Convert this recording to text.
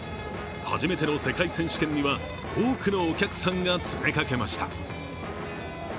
初めての世界選手権には多くのお客さんが詰めかけました。